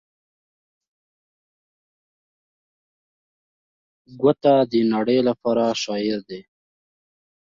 ګوته د نړۍ لپاره شاعر دی.